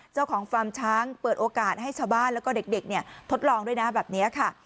ฟาร์มช้างเปิดโอกาสให้ชาวบ้านแล้วก็เด็กทดลองด้วยนะแบบนี้ค่ะ